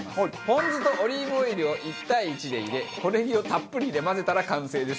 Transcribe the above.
ポン酢とオリーブオイルを１対１で入れ小ネギをたっぷり入れ混ぜたら完成です。